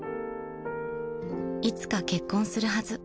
［いつか結婚するはず］